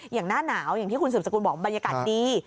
อย่างหน้าหนาวอย่างที่คุณสืบสกุลบอกบรรยากาศดี